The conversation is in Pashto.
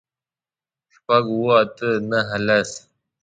شپږ، اووه، اته، نهه، لس